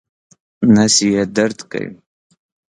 نس یې درد کوي